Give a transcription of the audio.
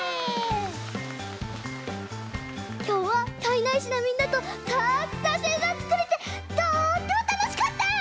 きょうは胎内市のみんなとたくさんせいざをつくれてとってもたのしかったよ！